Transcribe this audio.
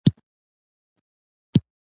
مېز د دفتر کار ته اسانتیا برابروي.